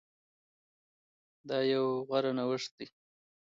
دا يو غوره نوښت ده